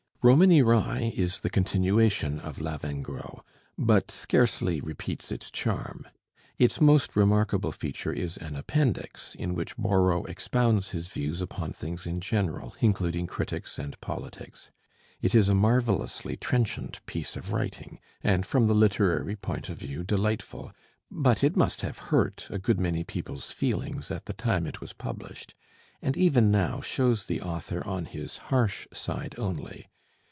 'Romany Rye' is the continuation of 'Lavengro,' but scarcely repeats its charm; its most remarkable feature is an 'Appendix,' in which Borrow expounds his views upon things in general, including critics and politics. It is a marvelously trenchant piece of writing, and from the literary point of view delightful; but it must have hurt a good many people's feelings at the time it was published, and even now shows the author on his harsh side only.